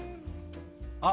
あ！